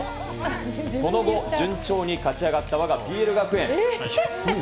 その後、順調に勝ち上がったわがＰＬ学園。